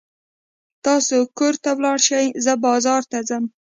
تاسې کور ته ولاړ شئ، زه بازار ته ځم.